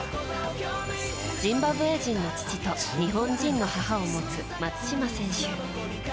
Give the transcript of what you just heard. ジンバブエ人の父と日本人の母を持つ松島選手。